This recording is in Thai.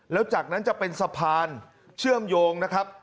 แล้วจากนั้นจะเป็นสะพานเชื่อมโยงนะครับ